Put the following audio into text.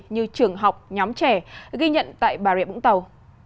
như trường học nhóm trẻ ghi nhận tại bà rịa vũng tàu